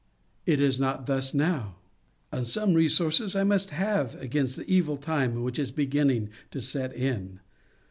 It is not thus now, and some resources I must have against the evil time which is beginning to set in.